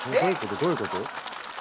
どういうこと？